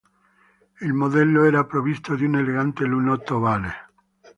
Il modello era provvisto di un elegante lunotto ovale.